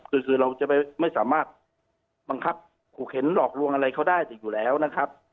คือคือเราจะไม่สามารถบังคับขู่เข็นหลอกลวงอะไรเขาได้อยู่แล้วนะครับ